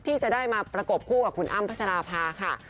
ที่จะได้มาประกบคู่กับคุณอ้ำพัชราภาค่ะ